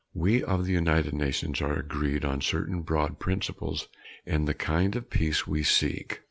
We of the United Nations are agreed on certain broad principles in the kind of peace we seek.